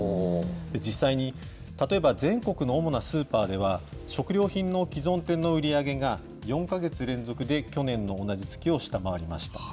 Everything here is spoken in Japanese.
実際に例えば、全国の主なスーパーでは、食料品の既存店の売り上げが４か月連続で去年の同じ月を下回りました。